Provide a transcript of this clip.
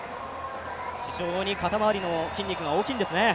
非常に肩周りの筋肉が大きいんですね。